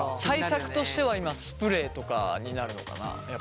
対策としては今スプレーとかになるのかな？